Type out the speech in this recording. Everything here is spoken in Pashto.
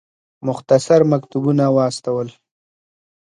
مختصر مکتوبونه واستول.